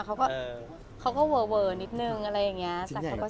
เขาก็เวอนิดนึงอะไรอย่างเนี้ยแต่เขาก็ชอบ